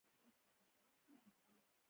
باکټریاوې د مورفولوژي له نظره تصنیف کیږي.